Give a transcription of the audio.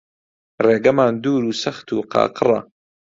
ڕێگەمان دوور و سەخت و قاقڕە